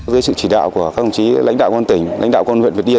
dưới sự chỉ đạo của các công chí lãnh đạo con tỉnh lãnh đạo con huyện việt điền